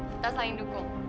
kita saing dukung oke